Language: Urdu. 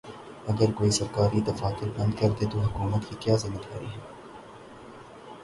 اگر کوئی سرکاری دفاتر بند کردے تو حکومت کی ذمہ داری کیا ہے؟